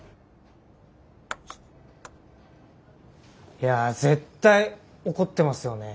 いや絶対怒ってますよね